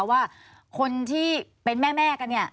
ว่าคนที่เป็นแม่กันเนี่ย